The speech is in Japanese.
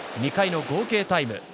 ２回の合計タイム。